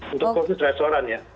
untuk fokus restoran ya